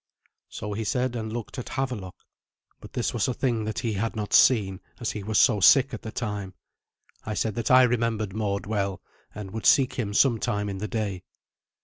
So he said, and looked at Havelok. But this was a thing that he had not seen, as he was so sick at the time. I said that I remembered Mord well, and would seek him some time in the day.